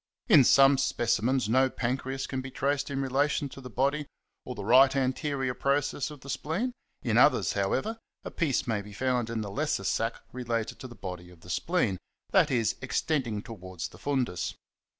In some specimens no pancreas can be traced in relation to the body or the right ant. process of the spleen; in others, however, a piece may be found in the lesser sac related to the body of the spleen, i.e., extending towards the fundus.